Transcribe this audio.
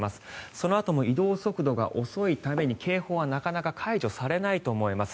そのあとも移動速度が遅いために警報はなかなか解除されないと思います。